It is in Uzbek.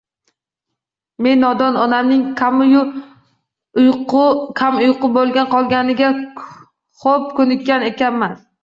Men nodon, onamning kamuyqu bo‘lib qolganiga xo‘p ko‘nikkan ekanman.